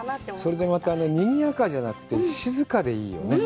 それでまた、にぎやかじゃなくて、静かでいいよね。